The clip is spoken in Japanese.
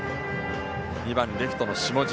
２番、レフトの下地。